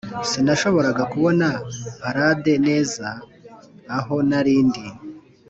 sinashoboraga kubona parade neza aho nari ndi.